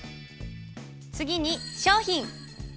次に商品。